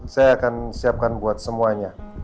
saya akan siapkan buat semuanya